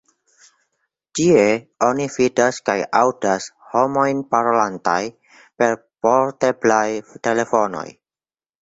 Ĉie oni vidas kaj aŭdas homojn parolantaj per porteblaj telefonoj.